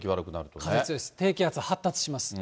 低気圧発達します。